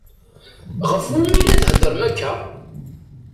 Ɣef umi i la theddṛem akka?